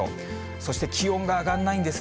そして、気温が上がんないんです